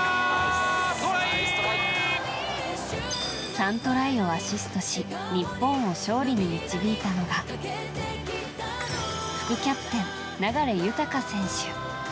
３トライをアシストし日本を勝利に導いたのが副キャプテン、流大選手。